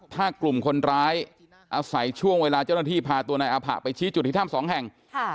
ถ้ากลุ่มคนร้ายอาศัยช่วงเวลาเจ้าหน้าที่พาตัวนายอาผะไปชี้จุดที่ถ้ำสองแห่ง